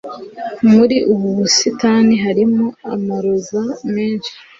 muri ubu busitani harimo amaroza menshi